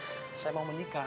saya mau menikah